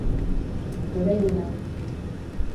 Берәй нәмә